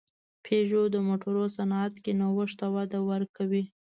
پيژو د موټرو صنعت کې نوښت ته وده ورکوي.